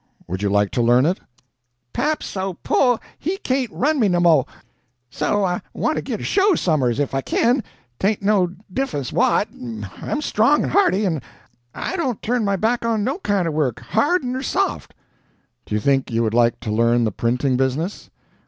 Would you like to learn it?" "Pap's so po' he cain't run me no mo', so I want to git a show somers if I kin, 'taint no diffunce what I'm strong and hearty, and I don't turn my back on no kind of work, hard nur soft." "Do you think you would like to learn the printing business?"